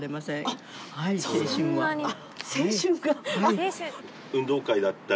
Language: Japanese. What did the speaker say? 青春が。